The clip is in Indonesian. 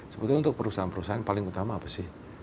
sebetulnya untuk perusahaan perusahaan paling utama apa sih